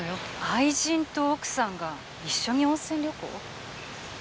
愛人と奥さんが一緒に温泉旅行？